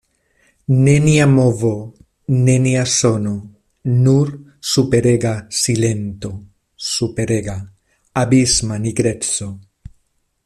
Nenia movo, nenia sono, nur superega silento, superega, abisma nigreco.